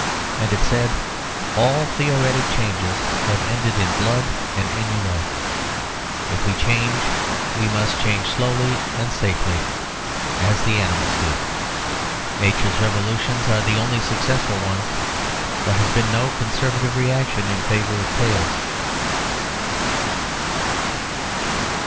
And it said, "All theoretic changes have ended in blood and ennui. If we change, we must change slowly and safely, as the animals do. Nature's revolutions are the only successful ones. There has been no conservative reaction in favour of tails."